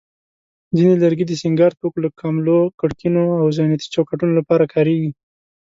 ځینې لرګي د سینګار توکو لکه کملو، کړکینو، او زینتي چوکاټونو لپاره کارېږي.